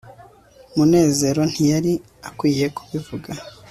munezero ntiyari akwiye kubivuga